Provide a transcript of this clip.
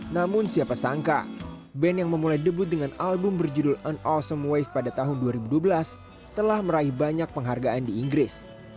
namun siapa sangka band yang memulai debut dengan album berjudul and osom wave pada tahun dua ribu dua belas telah meraih banyak penghargaan di inggris